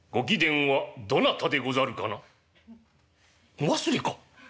「お忘れか！